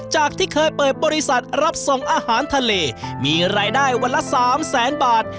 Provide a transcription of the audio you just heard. จากที่เคยเปิดบริษัทรับส่งอาหารทะเลมีรายได้วันละ๓แสนบาท